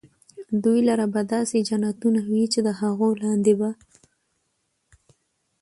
دوى لره به داسي جنتونه وي چي د هغو لاندي به